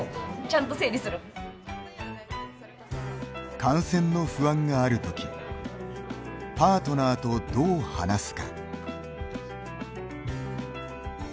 感染の不安がある時パートナーと、どう話すか。